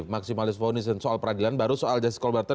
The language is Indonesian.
maksimalis fonis dan soal peradilan baru soal justice kolaborator